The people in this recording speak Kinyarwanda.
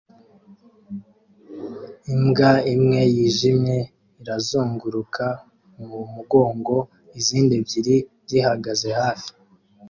Imbwa imwe yijimye irazunguruka mu mugongo izindi ebyiri zihagaze hafi